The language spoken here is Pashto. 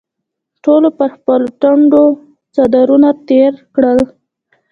ټولو پر خپلو ټنډو څادرونه تېر کړل.